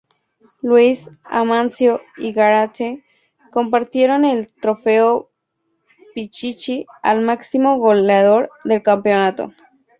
Luis, Amancio y Gárate compartieron el Trofeo Pichichi al máximo goleador del campeonato.